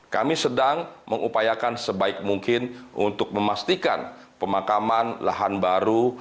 kami sedang mengupayakan sebaik mungkin untuk memastikan pemakaman lahan baru